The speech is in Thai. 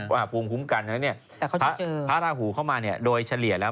หาภูมิคุ้มกันพระราหูเข้ามาโดยเฉลี่ยแล้ว